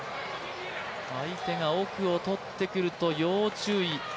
相手が奥を取ってくると、要注意。